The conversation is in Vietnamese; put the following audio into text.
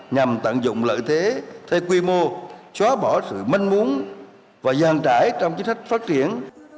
nhằm tận dụng lợi thế theo quy mô chóa bỏ sự mân muốn và gian trải trong chính sách phát triển